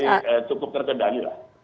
cukup terkendali lah